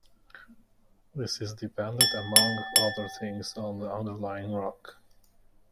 This is dependent, among other things, on the underlying rock.